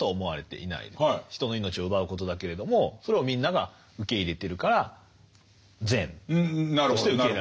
人の命を奪うことだけれどもそれをみんなが受け入れてるから善として受け入れられてる。